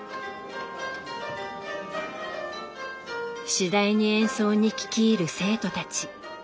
次第に演奏に聞き入る生徒たち。